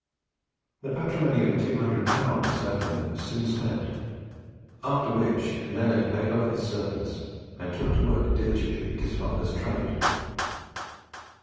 The patrimony of 200L. left them was soon spent; after which Leonard paid off his servants, and took to work diligently at his father's trade.